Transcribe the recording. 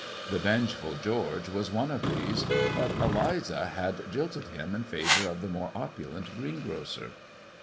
The vengeful George was one of these, but Eliza had jilted him in favour of the more opulent greengrocer.